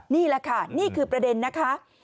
นี่แหละค่ะนี่คือประเด็นนะคะ